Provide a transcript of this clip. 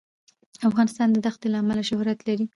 افغانستان د دښتې له امله شهرت لري.